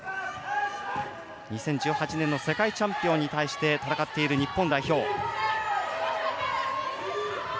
２０１８年の世界チャンピオンに対して戦っている日本。